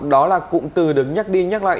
đó là cụm từ được nhắc đi nhắc lại